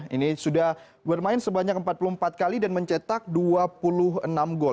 ini sudah bermain sebanyak empat puluh empat kali dan mencetak dua puluh enam gol